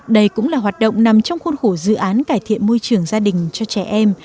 đây cũng là hoạt động nằm trong khuôn khổ dự án cải thiện môi trường gia đình cho trẻ em